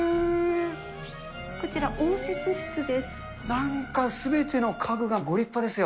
こちら応接室です。